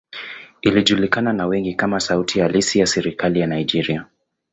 Inajulikana na wengi kama sauti halisi ya serikali ya Nigeria.